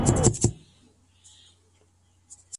ايا ښځه د ښايست په خاطر په نکاح کيدلای سي؟